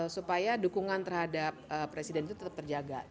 supaya dukungan terhadap presiden itu tetap terjaga